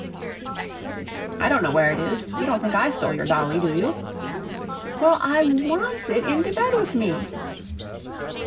"I don't know where it is; you don't think I stole your dolly, do you?" "Well, I wants it, in de bed wif me."